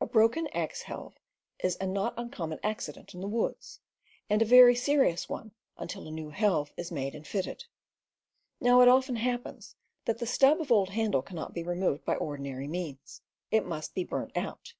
A broken axe helve is a not uncommon accident in the woods, and a very serious one until a new helve is „.. made and fitted. Now it often happens . TT , that the stub of old handle cannot be Ax6 Hclvcs removed by ordinary means: it must be burnt out.